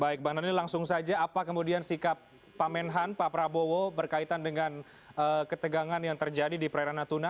baik bang daniel langsung saja apa kemudian sikap pak menhan pak prabowo berkaitan dengan ketegangan yang terjadi di perairan natuna